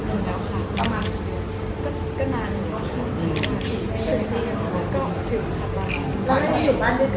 อย่างอีก๒๐ค่ะเล่นอะไรอยู่